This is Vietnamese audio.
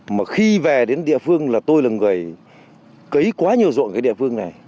mà khi về đến địa phương là tôi là người cấy quá nhiều ruộng cái địa phương này